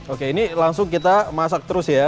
oke ini langsung kita masak terus ya